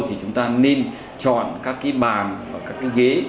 thì chúng ta nên chọn các bàn và các ghế